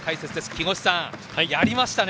木越さん、やりましたね。